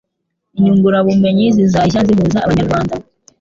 inyungurabumenyi zizajya zihuza Abanya-Rwand